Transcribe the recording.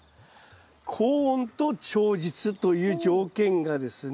高温と長日という条件がですね